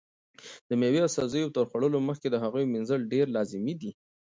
د مېوې او سبزیو تر خوړلو مخکې د هغو مینځل ډېر لازمي دي.